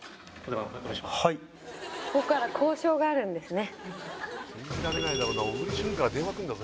はいここから交渉があるんですね